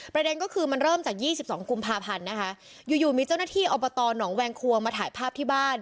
ประเด็นก็คือมันเริ่มจาก๒๒กุมภาพันธ์นะคะอยู่อยู่มีเจ้าหน้าที่อบตหนองแวงครัวมาถ่ายภาพที่บ้าน